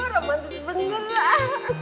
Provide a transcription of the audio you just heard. oh romantic bener lah